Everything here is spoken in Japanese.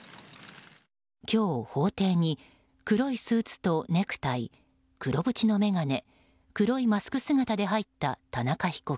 今日、法廷に黒いスーツとネクタイ黒縁の眼鏡、黒いマスク姿で入った田中被告。